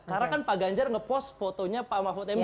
karena kan pak ganjar ngepost fotonya pak mahfud md